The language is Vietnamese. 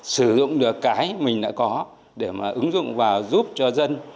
sử dụng được cái mình đã có để mà ứng dụng và giúp cho dân